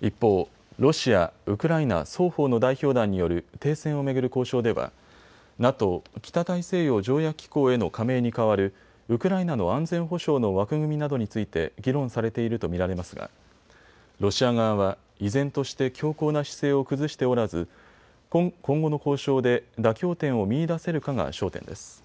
一方、ロシア、ウクライナ双方の代表団による停戦を巡る交渉ではＮＡＴＯ・北大西洋条約機構への加盟に代わるウクライナの安全保障の枠組みなどについて議論されていると見られますがロシア側は依然として強硬な姿勢を崩しておらず今後の交渉で妥協点を見いだせるかが焦点です。